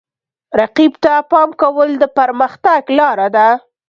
رقیب ته پام کول د پرمختګ لاره ده.